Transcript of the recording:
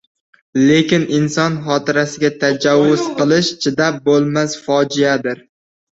Lekin inson xotirasiga tajovuz qilish… chidab bo‘lmas fojiadir.